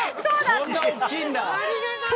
こんな大っきいんだ。